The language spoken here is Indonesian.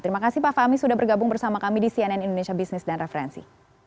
terima kasih pak fahmi sudah bergabung bersama kami di cnn indonesia business dan referensi